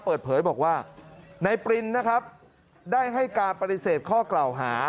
เปิดเผยบอกว่านายปรินนะครับได้ให้การปฏิเสธข้อกล่าวหา